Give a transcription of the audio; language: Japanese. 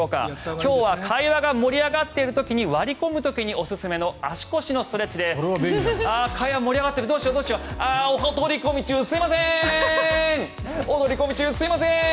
今日は会話が盛り上がっている時に割り込む時におすすめの足腰のストレッチです。